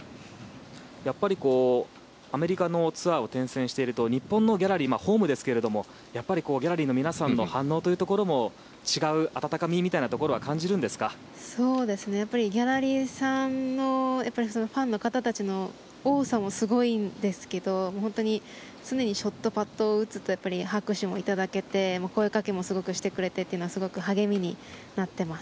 やっぱりアメリカのツアーを転戦していると日本のギャラリーホームですけどもギャラリーの皆さんの反応というところも違う、温かみみたいなところもギャラリーさんのファンの方たちの多さもすごいんですけど本当に常にショットパットを打つと拍手も頂けて、声掛けもすごくしてくれてっていうのはすごく励みになってます。